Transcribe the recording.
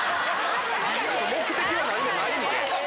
目的は何もないんで。